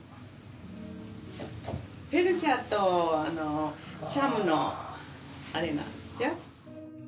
ペルシャとシャムのあれなんですよ。